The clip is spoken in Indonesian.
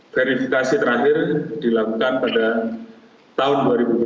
verifikasi terakhir dilakukan pada tahun dua ribu dua puluh